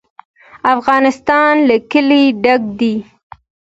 افغانستان له کلي ډک دی.